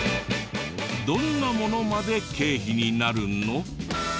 どんなものまで経費になるの？